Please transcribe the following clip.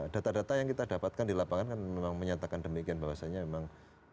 data data yang kita dapatkan di lapangan kan memang menyatakan demikian bahwasannya memang